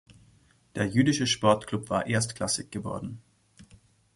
Der jüdische Sportklub war erstklassig geworden.